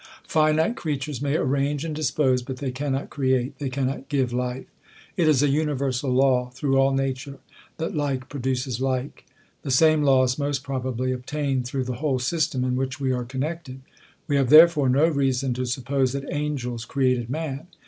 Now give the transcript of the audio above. Finite creatures may arrange and dispose, but they cannot create ; they cannot give life. It is a universal law through all nature, that like pro duces like. The same laws most probably obtain through the whole system in which we are connected. We have therefore no reason to suppose that angels created man.